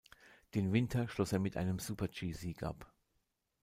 Den Winter schloss er mit einem Super-G-Sieg ab.